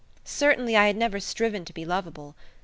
Certainly I had never striven to be lovable.